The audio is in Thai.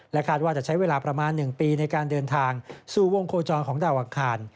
คาดว่าจะใช้เวลาประมาณ๑ปีในการเดินทางสู่วงโคจรของดาวอังคาร